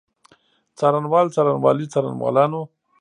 څارنوال، څارنوالي، څارنوالانو.